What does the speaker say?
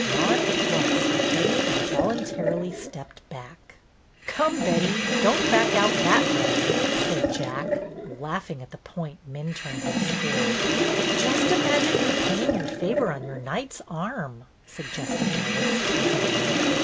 Nonplussed, Betty involuntarily stepped back. 224 BETTY BAIRD'S GOLDEN YEAR "Come, Betty, don't back out that way," said Jack, laughing at the point Minturne had scored. "Just imagine you 're pinning your favor on your knight's arm," suggested Lois, teas ingly.